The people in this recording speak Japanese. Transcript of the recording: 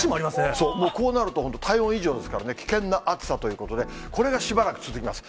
こうなると、体温以上ですからね、危険な暑さということで、これがしばらく続きます。